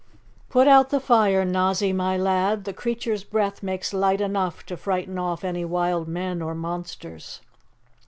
"Put out the fire, Nozzy, my lad, the creature's breath makes light enough to frighten off any wild men or monsters."